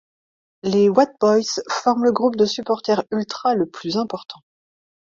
Les White Boys forment le groupe de supporters ultras le plus important.